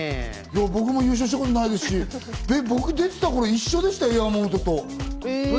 僕も優勝したことないですけど、僕が出てた頃、全く一緒でしたよ。